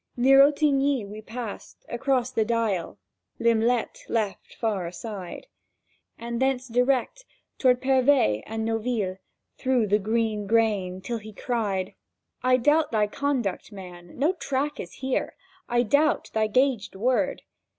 Near Ottignies we passed, across the Dyle (Lim'lette left far aside), And thence direct toward Pervez and Noville Through green grain, till he cried: "I doubt thy conduct, man! no track is here— I doubt thy gagèd word!"